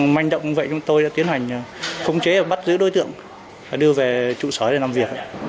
manh động như vậy chúng tôi đã tiến hành khống chế và bắt giữ đối tượng và đưa về trụ sở để làm việc